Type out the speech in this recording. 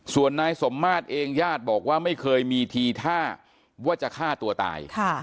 ส่วนนายสมมาตรเองญาติบอกว่าไม่เคยมีทีท่าว่าจะฆ่าตัวตาย